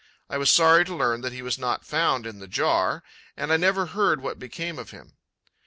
I was sorry to learn that he was not found in the jar, and I never heard what became of him.